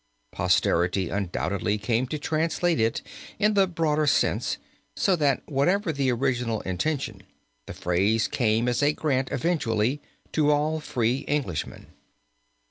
Posterity undoubtedly came to translate it in the broader sense, so that, whatever the original intention, the phrase became as a grant eventually to all free Englishmen.